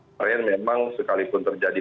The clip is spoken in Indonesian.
mereka memang sekalipun terjadi